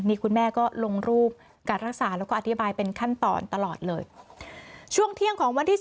นี่คุณแม่ก็ลงรูปการรักษาแล้วก็อธิบายเป็นขั้นตอนตลอดเลย